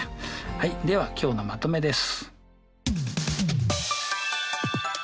はいでは今日のまとめです。